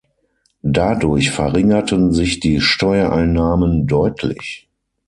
Dadurch verringerten sich die Steuereinnahmen deutlich.